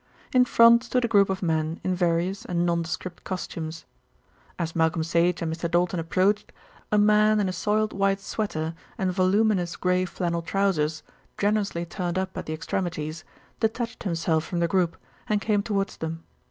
In front stood a group of men in various and nondescript costumes. As Malcolm Sage and Mr. Doulton approached, a man in a soiled white sweater and voluminous grey flannel trousers, generously turned up at the extremities, detached himself from the group and came towards them.